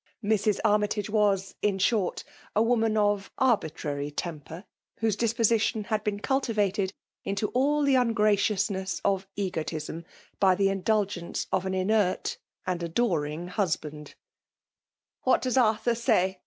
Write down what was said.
Mrs. Armytage was, in short, a woman of arbitrary temper; whose dispo sition had been cultivated into aU the un graciousness of egotism by the indulgence of an inert and adoring husband, What does Arthur say